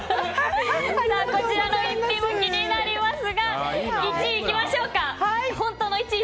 こちらの逸品も気になりますが１位にいきましょう。